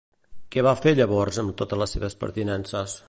Què va fer llavors amb totes les seves pertinences?